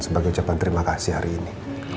sebagai ucapan terima kasih hari ini